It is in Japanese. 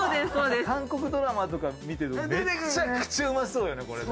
韓国ドラマとか見てるとめちゃくちゃうまそうよね、これ。